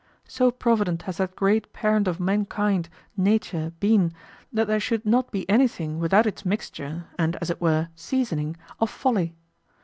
So provident has that great parent of mankind, Nature, been that there should not be anything without its mixture and, as it were, seasoning of Folly.